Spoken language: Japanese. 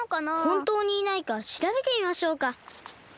ほんとうにいないかしらべてみましょうか。